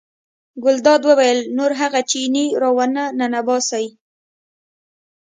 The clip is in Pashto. ګلداد وویل نور هغه چینی را ونه ننباسئ.